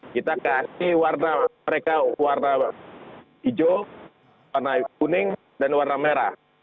kita kasih warna mereka warna hijau warna kuning dan warna merah